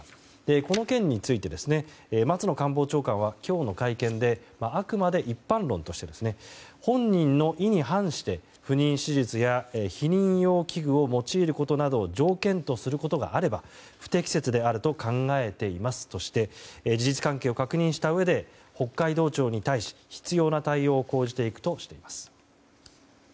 この件について松野官房長官は、今日の会見であくまで一般論として本人の意に反して不妊手術や避妊用器具を用いることなどを条件とすることがあれば不適切であると考えていますとして事実関係を確認したうえで北海道庁に対して必要な対応を講じていくとしています。